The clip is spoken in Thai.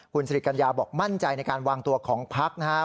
คุณสิริกัญญาบอกมั่นใจในการวางตัวของพักนะครับ